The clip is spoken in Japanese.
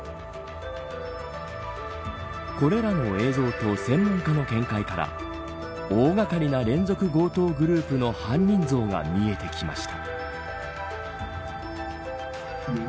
これらの映像と専門家の見解から大掛かりな連続強盗グループの犯人像が見えてきました。